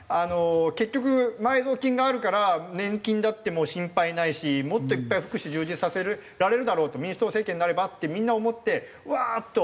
結局埋蔵金があるから年金だってもう心配ないしもっといっぱい福祉充実させられるだろうと民主党政権になればってみんな思ってうわーっと。